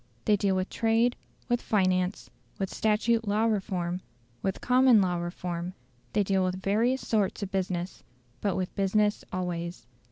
They deal with trade, with finance, with statute law reform, with common law reform; they deal with various sorts of business, but with business always.